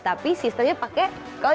tapi sistemnya pakai uang cash